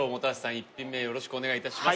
１品目よろしくお願いいたします